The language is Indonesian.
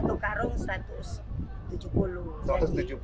dapat satu karung rp satu ratus tujuh puluh